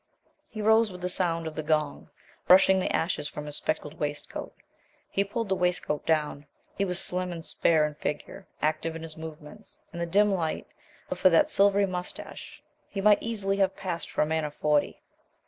He rose with the sound of the gong, brushing the ashes from his speckled waistcoat. He pulled the waistcoat down. He was slim and spare in figure, active in his movements. In the dim light, but for that silvery moustache, he might easily have passed for a man of forty.